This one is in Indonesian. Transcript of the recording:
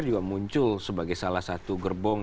juga muncul sebagai salah satu gerbong